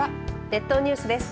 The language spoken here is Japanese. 列島ニュースです。